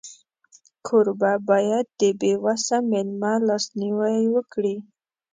کوربه باید د بېوسه مېلمه لاسنیوی وکړي.